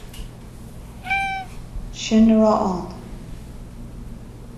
Sin a raibh ann.